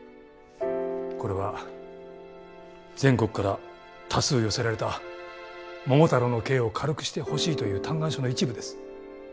これは全国から多数寄せられた桃太郎の刑を軽くしてほしいという嘆願書の一部です。